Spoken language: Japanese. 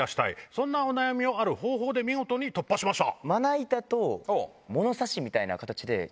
そんなお悩みをある方法で見事に突破しました。